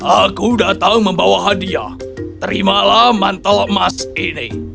aku datang membawa hadiah terimalah mantel emas ini